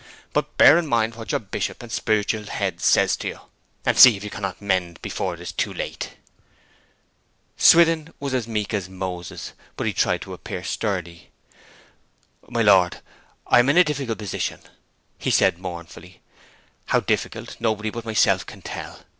But bear in mind what your Bishop and spiritual head says to you, and see if you cannot mend before it is too late.' Swithin was meek as Moses, but he tried to appear sturdy. 'My lord, I am in a difficult position,' he said mournfully; 'how difficult, nobody but myself can tell.